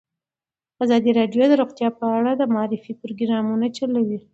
ازادي راډیو د روغتیا په اړه د معارفې پروګرامونه چلولي.